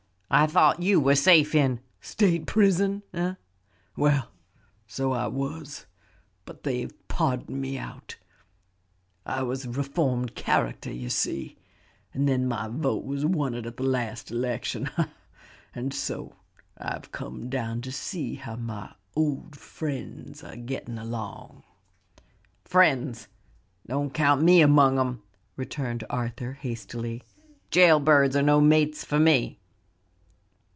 "I thought you were safe in " "State prison, eh? Well, so I was, but they've pardoned me out. I was a reformed character, you see; and then my vote was wanted at the last election, ha! ha! And so I've come down to see how my old friends are getting along." "Friends! don't count me among them!" returned Arthur, hastily; "jail birds are no mates for me."